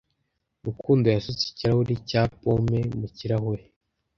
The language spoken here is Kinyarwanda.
Rukundo yasutse ikirahuri cya pome mu kirahure.